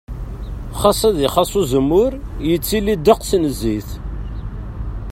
Ɣas ad ixas uzemmur, yettili ddeqs n zzit.